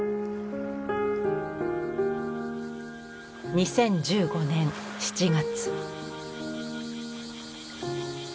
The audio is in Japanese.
２０１５年７月。